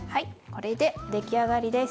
これで出来上がりです。